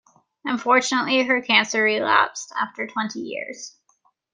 Unfortunately, her cancer relapsed after twenty years.